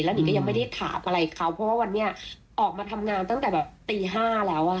หนิงก็ยังไม่ได้ถามอะไรเขาเพราะว่าวันนี้ออกมาทำงานตั้งแต่แบบตี๕แล้วอ่ะ